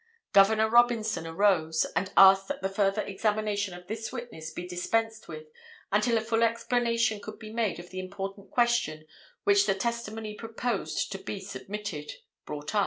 Gov. Robinson arose and asked that the further examination of this witness be dispensed with until a full explanation could be made of the important question which the testimony proposed to be submitted, brought up.